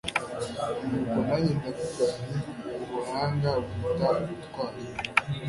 nuko nanjye ndavuga nti ubuhanga buruta ubutwari